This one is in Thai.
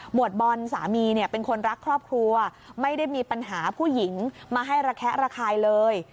วดบอลสามีเนี่ยเป็นคนรักครอบครัวไม่ได้มีปัญหาผู้หญิงมาให้ระแคะระคายเลย